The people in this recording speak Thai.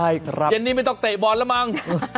เย็นมิไม่ต้องเตะบอลหรือปง